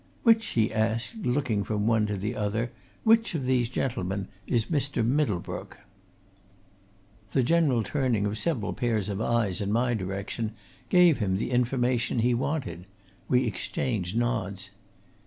"Which," he asked, looking from one to the other, "which of these gentlemen is Mr. Middlebrook?" The general turning of several pairs of eyes in my direction gave him the information he wanted we exchanged nods.